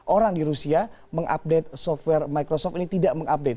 orang di rusia mengupdate software microsoft ini tidak mengupdate